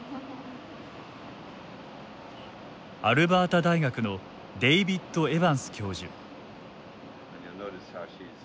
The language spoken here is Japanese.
アルバータ大学のデイビッド・エバンス教授。